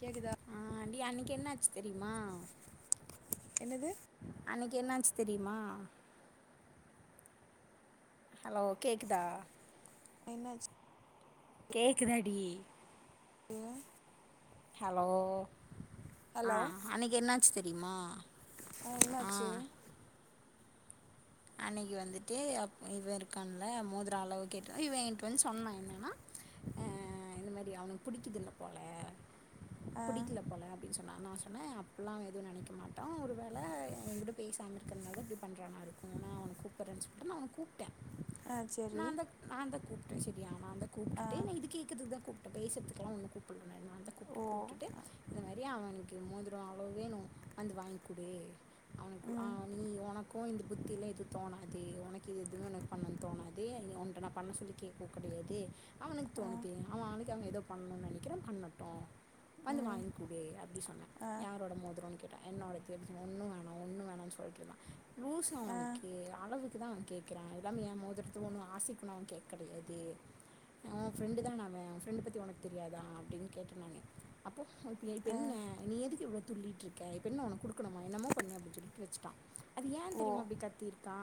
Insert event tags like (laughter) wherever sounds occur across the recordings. கேக்குதா ஆ நீ அன்னைக்கு என்னாச்சு தெரிமா என்னது அன்னைக்கு என்னாச்சு தெரியுமா ஹலோ கேக்குதா என்னாச்சு கேக்குதா டி ஹலோ ஆ ஹலோ அன்னைக்கு என்னாச்சு தெரிமா அ என்னாச்சு அன்னைக்கு வந்துட்டு இவ இருக்கான்ல மோதிர அளவு கேட்டு இவ எங்கட்ட வந்து சொன்னா என்னன்னா அ இந்த மாரி அவுனுக்கு பிடிக்குதில போல ஆ புடிக்கல போல அப்டின்னு சொன்னா நா சொன்னே அப்பில்லா எது நெனைக்க மாட்டோ ஒரு ஒரு வேள எங்கிட்ட பேசாம இருக்கறனாலதா இப்டி பண்றானா இருக்கு நா அவன கூப்பறேன் சொல்ட்டு நா அவன கூப் ட்ட ஆ சரி நாந்தா நாந்தா கூப்ட்டே சேரியா நாந்தா ஆ கூப்ட்டுட்டு இது கேக்குது இதா கூப் உன்ட்ட பேசத்துகல்லா ஒன்னு கூப்பட்ல நாந்தா கூப்ட ஓ கூப்பிட்டு ஆ இது மாரி அவனுக்கு மோதிர அளவு வேணு வந்து வாங்க்குடு அவனுக்கு ம் அவ நீ உனக் கு இந்த புத்திலா எது தோணாது உனக்கு இது எதுவு உனக்கு பண்ணனுன் தோணாது உன்ட்ட நா பண்ண சொல்லி கேக்கவு கெடையாது அவனுக்கு ஆ தோணுது அவ அவளுக்காக ஏதோ பண்ணணுன் நெனக்கிறா பண்ணட்டு வந்து ம் வாங்க்குடு அப்டி சொன்ன ஆ யாரோட மோதரன் கேட்டா என்னோடது ஒன்னு வேணா ஒன்னு வேணா சொல்லிட்ருந்தா லூசா ஆ உனக்கு அளவு க்குதா அவ கேக்கறா எல்லா ஏ மோதரத்த ஒண்ணு ஆசைக்குணு அவ கேக்க கெடையாது உ ஃப்ரெண்டு தான அவ உ ஃப்ரெண்டு பத்தி உனக்கு தெரியாதா அப்டின்னு கேட்ட நானு அப்ப உனக்கு நீ இப்ப ஆ என்ன நீ எதுக்கு இவ்ளோ துள்ளிட்ரு க்க இப்பென்ன உனக்கு குடுக்கணுமா என்னமோ பண்ணு அப்டின் சொல்லிட்டு வெச்சுட்டா அது ஏ ஓ கத்திருக்கா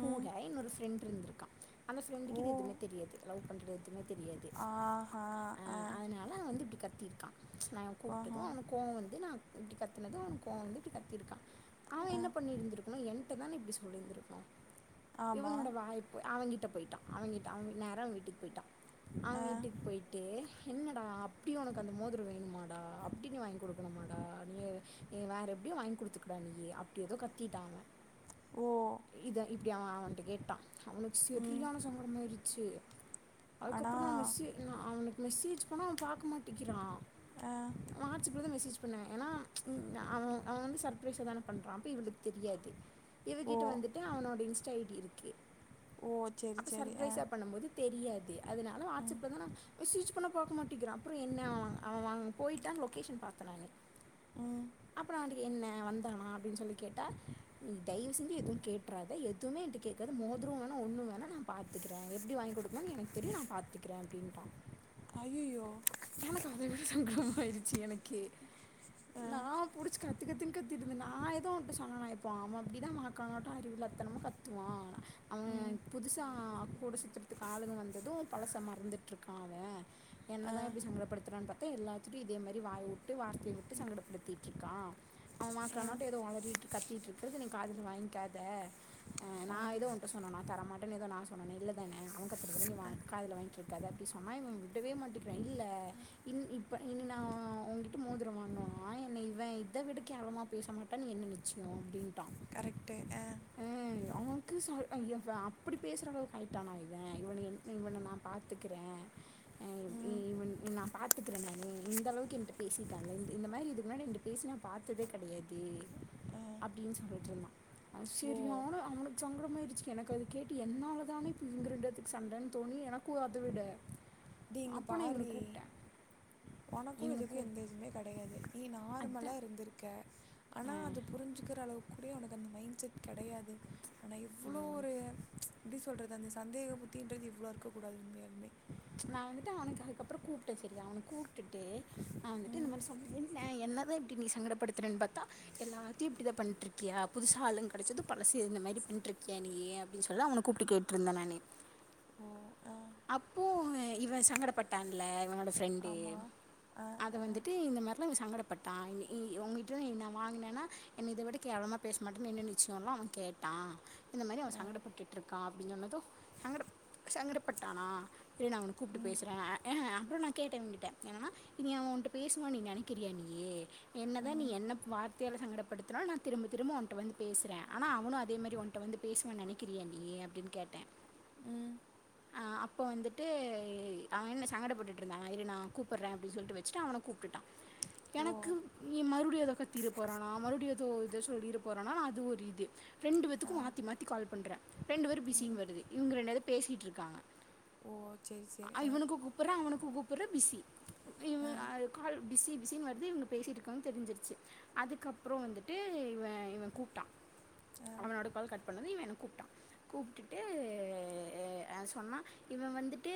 கூட ம் இன்னொரு ஃப்ரெண்ட் இருந்திருக்கா அந்த ஃப்ரெண்டுக்கு ஓ இது எதுமே தெரியாது லவ் பண்றது எதுமே தெரியாது ஆஹா அ ஆ அத னால வந்து இப்டி கத்திருக்கா நா கூப்ட்டது ஆஹா அவனுக்கு கோவ வந்து நா கத்துனது அவ கோவ வந்துட்டு கத்திருக்கா அவ ஆ என்ன பண்ணி இருந்திருக் நீ என்ட்ட தான இப்டி சொல்லிந்திருக்கனு ஆமா இவனோட வாய் போய் அவங்கிட்ட போய்ட்டா அவங்கிட்ட அவங் நேரா அவங் வீட்டுக் போய்ட்டா அவ ஆ வீட்டுக்கு போய் டு என்னடா அப்டி உனக்கு அந்த மோதர வேணுமாடா அப்டின்னு வாங்கி கொடுக்கணுமாடா நீயு நீ வேற எப்டியோ வாங்க கொடுத்துக்கடா நீ அப்டி எதோ கத்திட்டா அவ ஓ இத இப்படி அவ அவகிட்ட கேட்டா அவனுக் ம் செரியான சங்கடமா ஆயிருச்சு அண்ணா அதுக்கப்பற நா மெசே நா அவனுக்கு மெசேஜ் பண்ணா அவ பாக்க மாட்டிக்கிறா ஆ வாட்ஸ்அப்பல தா மெசேஜ் பண்ணே ஏன்னா அவ அவ வந்து சர்ப்ரைஸ் தான பண்றா அப்ப இவளுக் தெரியாது ஓ இவகிட்ட வந்துட்டு அவனோட இன்ஸ்டா ஐ டி இருக்கு ஓ சரி அப்ப சரி ஆ சர்ப்ரைஸா பண்ணும்போது தெரியாது அதனால ம் வாட்ச்அப்ல தா நா மெசேஜ் பண்ண பாக்க மாட்டிக்கிறா அப்ற என்ன அவ அவ வாங் போய்ட்டான் லொகேஷன் பாத்த நான்னு ம் அப்பற அவன்ட என்ன வந்தானா அப்டின் சொல்லி கேட்டா நீ தயவு செஞ்சு எது கேற்றாத எதும்மே என்ட்ட கேக்காத மோதுரோ வேணா ஒன்னு வேணா நா பாத் பாத்துக்றே எப்டி வாங் குடுக்கனுன் எனக் தெரியு நா பாத்துக்கறே அப்டின்ட்டா ஐயையோ எனக்கு அத விட சங்கடமாய்ருச்சு எனக்கு ஆ நா புடுச்சி கத்துகத்து கத்திட்ருந்த நா எதுவு அப்படி சொன்னனா பா அவ அப்டிதா மாக்கானாட்ட அறிவில்லா தனமா கத்துவா அவ ம் புதுசா கூட சுத்துற்துக்கு ஆளுக வந்தது பழச மறந்துட்ருக்கா தே என்ன ஆ தா இப்டி சங்கடப்படுத்துறான் பாத்தா எல்லாத்துட்டியு இதே மாரி வாய் உட்டு வார்த்தை டு ம் சங்கடப்படுத்திட்ருக்கா அவ மாக்கானட்ட ஆ ஒளறிட் திட் இருகுறது நீ காது ல வாங்கிக்காத நா ஆ எதுவு உன்ட்ட சொன்னனா தர மாட் டுன் எதோ நாங் சொன்னனே இல்ல தான அவ கத்துறத ஆ காதுல வாங்கி காத அப்டி சொன்னா இவ் விடவே மாட்டிக்கிறா இல்ல இன் இப்ப இன் நா உங்கி ட மோதர வாங்னானா என்ன இவ இத விட கேலமா பேச மாட்டான் என்ன நிச்சியோ அப்டின்ட்டா கரெக்ட்டு ஆ ம் அவ அவன்க்கு ச எ அப்டி பேசுற அளவுக் ஆய்ட்டானா இவ இவன என் இவன நா பாத்துக்கிற ம் இவன் நா பாத் த்துக்கிறே நான்னு இந்த அளவுக்கு என்ட்ட பேசிட்டான்ல இந்த மாதிரி இதுக் முன்னாடி என்ட பேசி நா பாத்ததே கிடையாது ஆ அப்டின் சொல்லிட்ருந்தா அவ ஓ செரியான அவனுக் சங்கடமாயிடுச்சு எனக்கு அது கேட்டு என்னால தானே இவங்க ரெண்டு பேத்துக்கு சண்டன் தோன்னி எனக்கு அத விட டி இங்க அப்போ நான் இவனை பார்ரி கூப்பிட்டேன் உனக்கு இவனை இதுக்கு எந்த கூப்பிட்டேன் இதுமே கடையாது நீ நார்மலா அதான் இருந்திருக் க ஆனா ஆஹ் அது புரிஞ்சுக்கிற அளவுக்கு கூட உனக்கு அந்த மைண்ட் செட் கெடையாது ஆனா இவ்ளோ ஒரு எப்படி சொல்றது அந்த சந்தேக புத்தின்றது இவ்ளா இருக்கக்கூடாது உண்மையால்மே நா வந்துட்டு அவனுக்கு அதுக்கப்புறோ கூப்ட்டே செரியா அவன கூப்ட்டுட்டு நா வந்துட்டு இந்த ம் மார் சொன் ன என்ன தா இப்படி நீ சங்கடப்படுத்துறேன் பாத்தா எல்லாத்தையு இப்படிதா பண்ட்டுருக்கியா புதுசா ஆளுங் கடச்சது பழசு இந்த மாரி பண்ட்டுருக்கியா நீயு அப்டின் சொல்ல அவனுக் கூப்ட்டு கேட்டுருந்தே நானு ஓ ஆ அப்பு இவ சங்கடப்பட்டான்ல இவனோட ஃப்ரெண்டு ஆமாம் ஆ அத ஆ வந்துட்டு இந்த மார்லா இவ சங்கடப் பட்டா இஉங்கிட்ட நா வாங்கினேன்னா என்னை இத விட கேவலமா பேஸ் மாட்டேன் என்ன நிச்சியோல்லா அவ கேட் டா இந்த மாதிரி அவ ஆ சங்கடப்பட்டுட்ருக்கா அப்படின் சொன்னது சங்கட சங்கடப்பட்டானா சரி நா உனை கூப்பிட்டு ம் பேசுறே அ அப்றோ நா கேட்டே அவங்கிட்ட என்னன்னா நீ அவ உன்கிட்ட பேசுவான்னு நீ நெனைக்கிறியா நீயி என்னதா நீ ம் என்ன வார் (unintelligible) சங்கடப்படுத்தினா நான் திரும்ப திரும்ப ஓன்ட்ட வந்து பேசுறே ஆனா அவனும் அதே மாரி ஓன்ட்ட வந்து பேசுவான் நெனை கிரியா நீயி அப்டின்னு கேட்டே ம் அப்போ வந்துட்டு அவன் சங்கடப்பட்டுட்டு இருந்தா இரு நா கூப்புடுறே அப்டின்னு சொல்லிட்டு வச்சுட்டு அவன கூப்பிட்டுட்டா (inaudible) ஓ எனக்கு நீ மறுபடியு ஏதோ கத்திரு போறானா மறுபடியு ஏதோ இது சொல்லிர போறானா அது ஒரு இது ரெண்டு ஆ பேத்துக்கு மாத்தி மாத்தி கால் பண்றே ரெண்டு பேரும் ம் பிஸின்னு வருது இவங்க ரெண்டு பேரு பேசிட்டு இருக்காங்க ஓ சரி சரி அ ஆ இவனுக்கு கூப்புறே அவனுக்கு கூப்புறே பிசி ஆ இவன் அ கால் பிஸி பிஸின்னு வருது இவங்க பேசிகிட்டு இருக்காங்க தெரிஞ்சிருச்சு அதுக்கப்பறோ வந்துட்டு இவன் இவன் கூப்பிட்டா ஆ அவனோட கால் கட் பண்ணதது இவ கூப்பிட்டா கூப்பிட்டுட்டு சொன்னா இவன் வந்துட்டு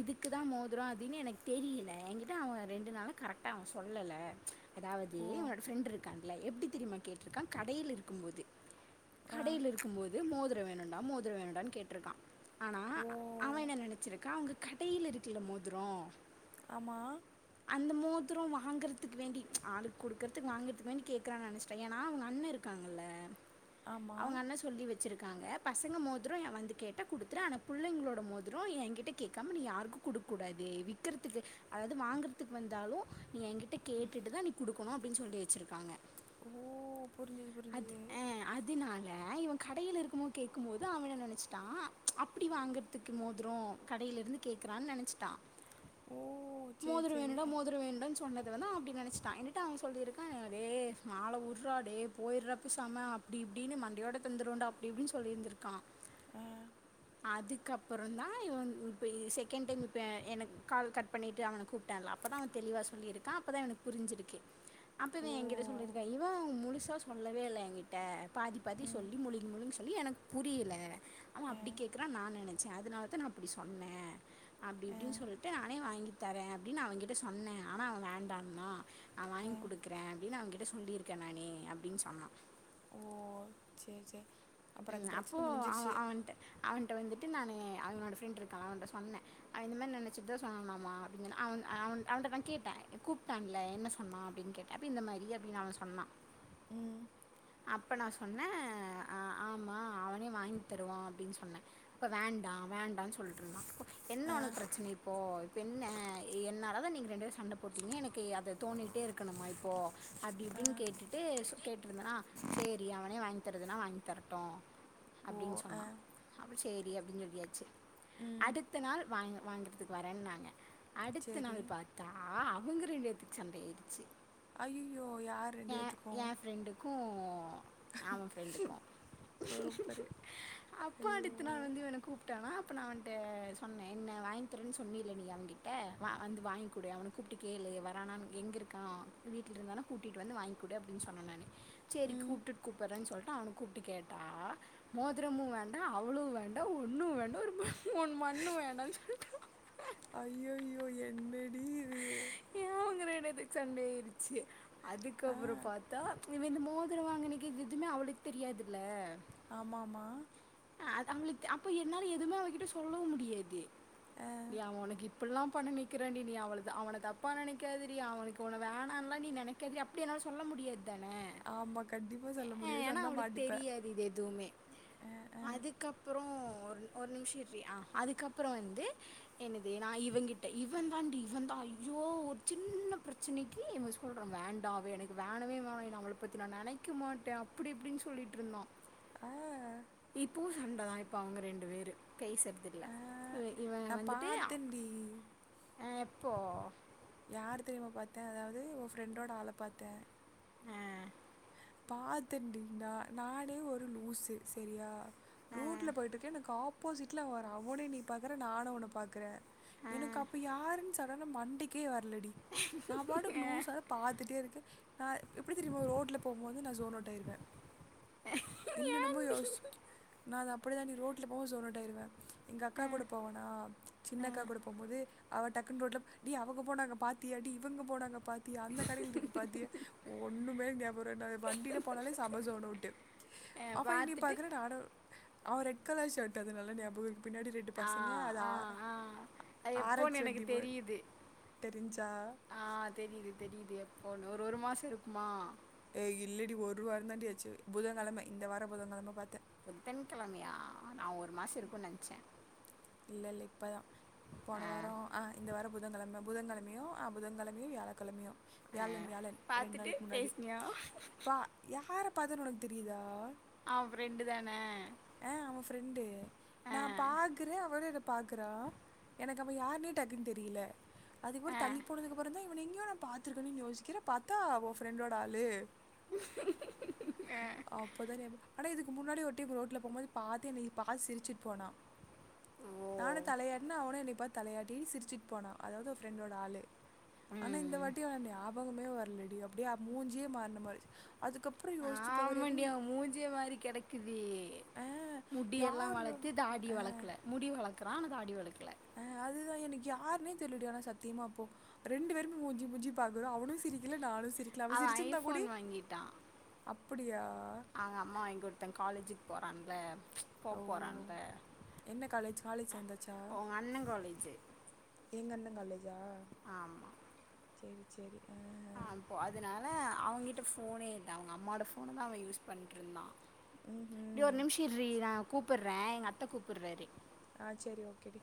இதுக்கு தா மோதுறோ அப்டின்னு எனக்கு தெரியல என்கிட்ட அவன் ரெண்டு நாளா கரெக்டா அவெ சொல்ல அதாவது ஓ என்னோட ஃப்ரெண்ட் இருக்கால்ல எப்டி தெரியுமா கேட்டிருக்கா கடையில இருக்கு போது ஆ கடையில இருக்கு போது மோதுர வேணுண்டா மோதுர வேணுடான்னு கேட்டிருக்கா ஆனா அவன் ஓ என்ன நெனச்சிருக்கா அவங்க கடையில இருக்கல மோதுரோ ஆமா அந்த மோதுரோ வாங்குறதுக்கு வேண்டி ஆளுக்கு குடுக்குறதுக்கு வாங்குறதுக்கு வேண்டி கேக்குறான்னு நெனச்சிட்டே ஏன்னா அவங்க அண்ணே இருக்கு இருக்காங்கள ஆமா அவங்க அண்ணே சொல்லி வச்சிருக்காங்க பசங்க மோதிரோ வந்து கேட்டா குடு ஆன புள்ளைங்களோட மோதிரோ என்கிட்ட கேக்காம நீ யாருக்கு குடுக்க கூடாது விக்குறதுக்கு அதாவது வாங்கறது த்துக்கு வந்தாலு நீ என்கிட்ட கேட்டுட்டு தா நீ குடுக்கணு அப்டின்னு சொல்லி வச்சுருக்காங்க ஓ புரிஞ்சுது அது புரிஞ்சுது அ அது அதனால இவெ கடையில இருக்கும்மோ கேக்கும் போது அவளை நெனச்சிட்டா அப்டி வாங்கறதுக்கு மோதுரோ கடையில இருந்து கேக்றான்னு நெனைச்சிட்டா ஓ சரி மோதுரோ சரி வேணுன்டா மோதுரோ வேணுன்டா சொன்னது நா அப்டி நெனைச்சிட்டா என்கிட்ட அவெ சொல்லி இருக்கா டே மால உர்டா டே போய்ட்றா பேசாம இப்டி இப்டின்னு மண்டயோட தந்துருவேண்டா அப்டி இப்டின் சொல்லியிருந்துருக்கா அ அதுக்கப்பறம்ந்தா இவெ இப்போ செகண்ட் டைம் இப்போ எனக்கு கால் கட் பண்ணிட்டு அவனை கூப் தெரில அப்பதா தெளிவா சொல்லியிருக்கா அப்பதா எனக்கு புரிஞ்சுருக்கு அப்ப ஓ இவேன் என்கிட்ட சொல்லியிருக்கா இவன் முழுசா சொல்லவே இல்ல என்கிட்ட பாதி பாதி ம் சொல்லி முழுங்கி முழுங்கி சொ சொல்லி எனக்கு புரியல அவெ ஆ அப்டி கேக்கறா நா நெனச்சே அதனால நான் அப்டி சொன்னே அப்டி ஆ இப்டின்னு சொல்ட்டு அவெ வாங்கி தரே அப்டின்னு அவெ கிட்ட சொன்னே ஆனா அவெ வேண்டான்னா நா ஆ வாங்கி குடுக்குறே அப்டின்னு அவகிட்ட சொல்லியிருக்கே நானு அப்டின்னு சொன்னா ஓ சேரி சேரி அப்போ அவெ அவன்ட்ட அவன்ட்ட வந்துட்டு நானு அவனோட ஃப்ரெண்ட் இருக்கான்ல அவன்ட்ட சொன்னே அ இந்த மாரி நெனச்சுட்டு சொன்னலாமா அப்டின் அவ அவ அவன்ட்ட நா கேட்டே கூப்பிட்டான்ல என்ன சொன்னா அப்டின்னு கேட் அப்டி இந்த மாரி அப்டின்னு அவெ சொன்னா ம் அப்ப நா சொன்னே அ ஆமா அவனே வாங்கி தருவா அப்டின்னு சொன்னே இப்போ வேண்டா வேண்டான்னு சொல்ட்டா (inaudible) என்ன ஆ ஒனக்கு பிரச்சனை போ இப்ப என்ன என்னால தா நீங்க ரெண்டு பேர் சண்ட போட்டீங்க எனக்கு அத தோணிகிட்டே இருக்கணுமா இப்போ அப்டி ஆ இப்டின்னு கேட்டுட்டு சொ கேட்ருந்தனா செரி அவனே வாங்கி தரதுனா வாங் கி தறட்டு ஓ அப்டின்னு ஆ சொன்னா அப்டி செரி அப்டின்னு சொல்லியாச்சு ம் அடுத்த நாள் வாங்க வாங்கறதுக்கு வரேன்னாங்க அடுத்த சரி நாள் பாத் தா அவுங்க ரெண்டு வேத்துக்கு சண்டயாய்டுச்சு அய்யயோ யார் ரெண்டு வேத்துக்கு க்கு அவ ஃப்ரெண்டுக்கு சூப்பர் அப்ப ஐயோ அடுத்த நாள் வந்து இவனுக்குப் ட்டானா அப்ப நா அவன்ட்ட சொன்னே என்ன வாங்கி தறேன்னு சொன்னில நீ அவன்கிட்ட வா வந்து வாங்கி கூடு அவனுக்கு கூப்ட்டு கேளு வரானான் எங்க இருக்கா வீட்ல இருந்தானா கூட்டிட்டு வந்து வாங்கிகுடு அப்டின்னு சொன்ன நானு செரி ம் கூப்ட்டுட் கூப்றேன்னு சொல்ட்டு அவன கூப்ட்டு கேட்டா மோதிரமு வேண்டா அவளு வேண்டா ஒன்னு வேண்டா ஒரு ம மண்ணு வேண்டாம்னு சொல்ட்டா அய்யய்யோ என்னடி இது ஏ அவுங்கரனத்துக்கு சண்டையாயிருச்சு ஆ அதுக்கப்றம் பாத்தா இவ இந்த மோதிர வாங்கினக்குது எதுவுமே அவளுக்கு தெரியாதுல்ல ஆமாமா அது அவுங்களுக்கு அப்ப என்னால எதுமே அவகிட்ட சொல்லவு முடியாது ஆ ஏ அவ உனக்கு இப் ப்பல்லா பண்ண நிக்கிறாண்டி நீ அவளுக் அவன தப்பா நெனைக்காதிடி அவனுக்கு உன்ன வேணான்லா நீ நெனைக்காதிடி அப்டி என்னால சொல்ல முடியாது தானே ஆமாம் கண்டிப்பாக சொல்ல அ முடியும் ஏனா சொன்னால் அவளுக்கு மாட்டிப்ப தெரியாது இது எதுவுமே ஆ ஆ அதுக்கப் ப்பறோ ஒரு நிமிஷம் இருடி அ அதுக்கப்ற வந்து என்னது நா இவன் கிட்ட இவன் தாண்டி இவன் தா ஐயோ ஒரு சின்ன பிரச்சனைக்கு இவ சொல்றா வேண்டாவே எனக்கு அவ வேணவே வேணா நா அவள பத்தி நா நெனைக்க மாட்டே அப்டி இப்டின்னு சொல்லிட்ருந்தா ஆ இப்புவு சண்டதா இப்ப அவங்க ரெண்டு வேரு கை சரத்து இல்ல ஆ இவ இவ நான் வந்துட்டு பார்த்தேன்டி ஆ எப்போ யார் தெரியுமா பாத்த அதாது ஒரு ஃப்ரெண்டோட ஆள பாத்த ஆ, பாத்தட்டீனா நானே ஒரு லூஸு செரியா ஆ, ரூட்ல போயிட்ருக்கே எனக்கு ஆப் பூசிட்ல வரா அவனே நீ பாக்குற நானு உன்ன பாக்குறே ஆ, எனக்கு அப்ப யாருன்னு சடனா மண்டைக் கே வரலடி நா பாட்டுக்கு லூசா பாத்துட்டே இருக்கே நா எப்டி தெரியுமா ரோட்ல போம்போது நா சோனோட்டாயிடுவ என்னனொமோ ஏன்டி யோசிச்சு நா அப்டி தாடி ரோட்ல போவ சோனோட் ஆயிடுவ எங்கக்கா ஆ, கூட போவனா சின்னக்கா கூட போம் போது அவ டக்குன் ரோட்ல டி அவுங்க போனாங்க பாத்தியாடி இவுங்க போனாங்க பாத்தியா அந்த கடையில இருக்கு பாத்தியா ஒன்னுமே ஞாபக வராது நா வண்டில போனாலே சம சோனவுட்டு ஆ, அவ என்னிய பார்த்துட்டு பாக்குற நானு அவ ரெட் கலர் ஷர்ட் அதனால ஞாபக இருக்கு பின்னாடி ரெட் டு ஆ, பசங்க அது ஆ, ஆ. அது எப்போன்னு ஆரக்ஸ் எனக்கு வண்டி போ தெரியுது. தெரிஞ்சா ஆ தெரியுது தெரியுது எப்போ ஒரு ஒரு மாச இருக்குமா ஏ இல்லடி ஒரு வார தாண்டி ஆச்சு புதன்கிழமை இந்த வார புதன்கிழமை பாத்தே புதன் கெழமையா நா ஒரு மாச இருக்கும்ன்னு நெனச்சே இல்ல இல்ல இப்பதா ஆ, போன வார ஆ இந்த வார புதன்கிழம புதன்கிழமையு ஆ புதன்கிழமையு வியாழக்கெழமையு ஆ. வியாழன் வியாழன் ரெண் பாத்துட்டு நாளுக்கு முன்னாடி பேசினியா? பா யார பாத்தன்னு உனக்கு தெரியுதா ஆ ஒ ஃப்ரெண்டு தான ஆ அவ ஃப்ரெண்டு ஆ, நா பா க்கற அவளு என்ன பாக்குறா எனக்கு அவ யாருன்னே டக்குன் தெரியில அதுக்கப்றோ ஆ. தள்ளி போனதுக்கப்றோ தா இவன எங்கேயோ நா பாத்திருக்கன்னே யோசிக்கிற பாத்தா ஓ ஃப்ரெண்டோட ஆளு அப்பதா ஞா ஆனா இதுக்கு முன்னாடி ஒரு டைம் ரோட்ல போபோது பாத்து என்ன பாத்து சிரிச்சுட்டு போனா ஓ! நானு தலையாட்ன அவனு என்னை பாத் தலையாட்டி சிரிச்சிட் போனா அதாவுது ஓ ஃப்ரெண்டோட ஆளு ஆனா இந்த ம். வாட்டி அவன ஞா பகமே வரலடி அப்டியா மூஞ்சே மாற்ன மாரி அதுக்கப் ஆமாண்டி அவன் மூஞ்ஜே மாரி கெடக்குதே ஆ முடிய எல்லா யார் வளத்து தாடி ஆ வளக்கல முடி வளக்குறா ஆனா தாடி வளக்கல ஆ அதுதா எனக்கு யாருனே தெர்லடி ஆனா சத்தியமா அப்போ ரெண்டு பேருமே மூஞ்சி முஞ்சி பாக்குறோ அவனு சிரிக்கல நானு சிரிக்கல அவ அவன் சிரிச்சிருந்தா கூடி ஐஃபோன் அப்டியா அவுங்க அம்மா வாங்குடுத்த காலேஜுக்கு போறான்ல போ ஓ போறான்ல என்ன காலேஜ் உங்க அண்ண காலேஜு எங்கெண்ண காலேஜா ஆமா சேரி சேரி அ ப்போ அதனால அவங்கிட்ட ஃபோனே இல்ல அவுங்க அம்மோட ஃபோன தா அவ யூஸ் பண்ணிட்டு இருந்தா இப்டி ஒரு ம் நிம்ஷி இர்றி நா கூப்பிட்றே எங்க அத்த கூப்பிர்ராரு ஆ சேரி ஓகே டி